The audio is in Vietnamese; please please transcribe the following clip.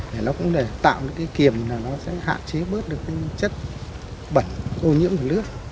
để nó cũng để tạo nên cái kiềm là nó sẽ hạn chế bớt được cái chất bẩn ô nhiễm của nước